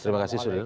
terima kasih suri